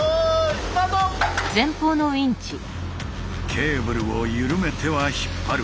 ケーブルを緩めては引っ張る。